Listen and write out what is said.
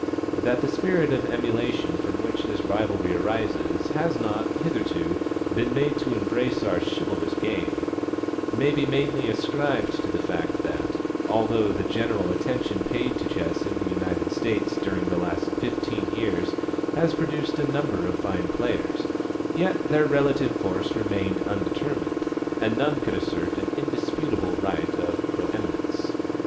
That the spirit of emulation from which this rivalry arises has not, hitherto, been made to embrace our chivalrous game, may be mainly ascribed to the fact that, although the general attention paid to chess in the United States during the last fifteen years has produced a number of fine players, yet their relative force remained undetermined, and none could assert an indisputable right to pre eminence.